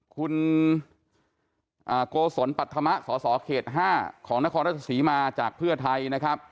คุณโกศลปัธมะสสเขต๕ของนครราชศรีมาจากเพื่อไทยนะครับ